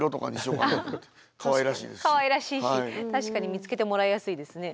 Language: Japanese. かわいらしいし確かに見つけてもらいやすいですね。